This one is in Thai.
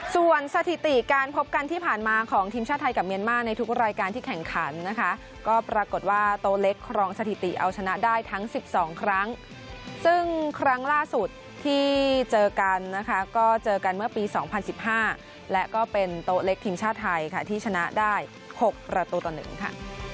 ส่วนสถิติการพบกันที่ผ่านมาของทีมชาติไทยกับเมียนมาร์ในทุกรายการที่แข่งขันนะคะก็ปรากฏว่าโต๊ะเล็กครองสถิติเอาชนะได้ทั้ง๑๒ครั้งซึ่งครั้งล่าสุดที่เจอกันนะคะก็เจอกันเมื่อปี๒๐๑๕และก็เป็นโต๊ะเล็กทีมชาติไทยค่ะที่ชนะได้๖ประตูต่อ๑ค่ะ